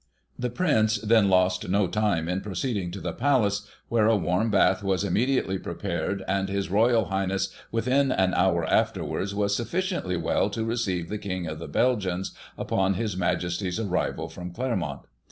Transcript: " The Prince then lost no time in proceeding to the Palace, where a warm bath was immediately prepared, and His Royal Highness, within an hour afterwards, was sufficiently well to receive the King of the Belgians, upon His Majesty's arrival from Claremont.